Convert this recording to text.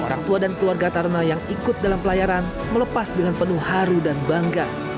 orang tua dan keluarga taruna yang ikut dalam pelayaran melepas dengan penuh haru dan bangga